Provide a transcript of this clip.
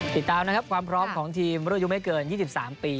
ติดตามนะครับความพร้อมของทีมรุ่นอายุไม่เกิน๒๓ปี